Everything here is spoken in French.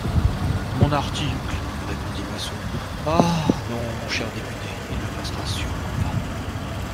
Mon article, répondit Massot, ah ! non, mon cher député, il ne passera sûrement pas.